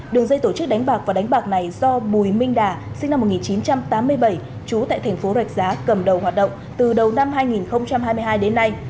đường dây tổ chức đánh bạc và đánh bạc này do bùi minh đà sinh năm một nghìn chín trăm tám mươi bảy trú tại thành phố rạch giá cầm đầu hoạt động từ đầu năm hai nghìn hai mươi hai đến nay